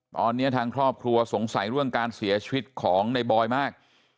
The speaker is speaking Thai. ตอนนี้ทางครอบครัวสงสัยเรื่องการเสียชีวิตของในบอยมาก